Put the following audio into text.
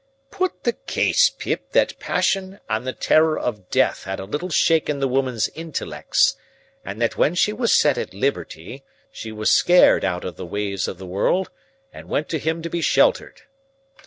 "Put the case, Pip, that passion and the terror of death had a little shaken the woman's intellects, and that when she was set at liberty, she was scared out of the ways of the world, and went to him to be sheltered.